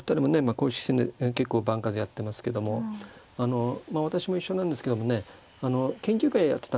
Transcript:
公式戦で結構番数やってますけどもあの私も一緒なんですけどもね研究会をやってたんですよ。